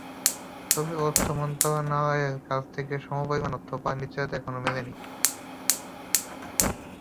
তবে অর্থ মন্ত্রণালয়ের কাছ থেকে সমপরিমাণ অর্থ পাওয়ার নিশ্চয়তা এখনো মেলেনি।